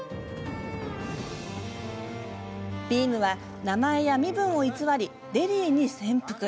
ビームは名前や身分を偽りデリーに潜伏。